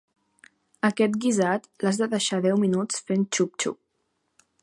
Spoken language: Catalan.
Aquest guisat, l'has de deixar deu minuts fent xup-xup.